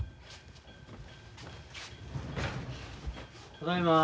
ただいま。